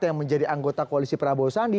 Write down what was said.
yang menjadi anggota koalisi prabowo sandi